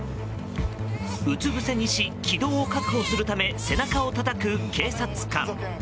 うつぶせにし気道を確保するため背中をたたく警察官。